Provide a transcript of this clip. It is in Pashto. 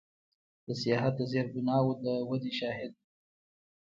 د سیاحت د زیربناوو د ودې شاهد و.